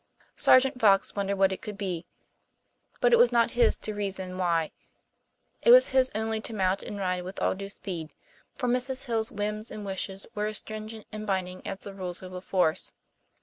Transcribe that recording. Sergeant Fox wondered what it could be, but it was not his to reason why; it was his only to mount and ride with all due speed, for Mrs. Hill's whims and wishes were as stringent and binding as the rules of the force.